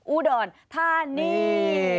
อูดอนท่านี่